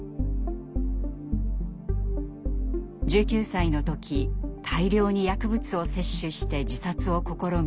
１９歳の時大量に薬物を摂取して自殺を試み